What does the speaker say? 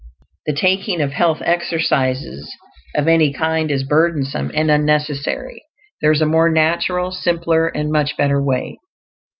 The taking of "health exercises" of any kind is burdensome and unnecessary; there is a more natural, simpler, and much better way.